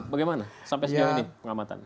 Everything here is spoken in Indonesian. bagaimana sampai sejauh ini pengamatan